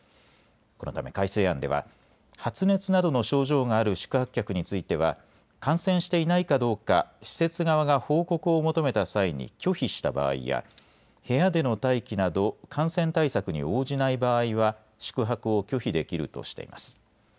このため改正案では発熱などの症状がある宿泊客については感染していないかどうか施設側が報告を求めた際に拒否した場合や部屋での待機など感染対策に応じない場合は宿泊を拒否できるとしています。